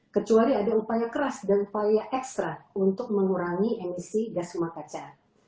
kecuali ada upaya keras dan upaya ekstra untuk mengurangi emisi gas rumah kaca